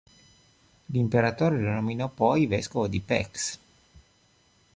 L'imperatore lo nominò poi vescovo di Pécs.